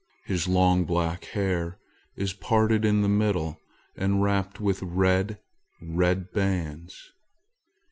His long black hair is parted in the middle and wrapped with red, red bands.